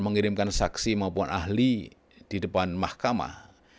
mengirimkan saksi maupun ahli di depan mahkamah